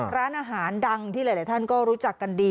ร้านอาหารดังที่หลายท่านก็รู้จักกันดี